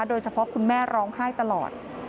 โดยเฉพาะคุณแม่ร้องไห้ตลอด